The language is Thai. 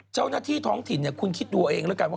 เจ้านาที่ท้องถิ่นคุณคิดดูเอละกัน